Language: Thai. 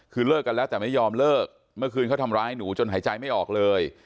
คือเลิกกันแล้วแต่ไม่ยอมเลิกเมื่อคืนเขาทำร้ายหนูจนหายใจไม่ออกเลย